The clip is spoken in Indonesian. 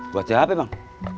buat siapa bang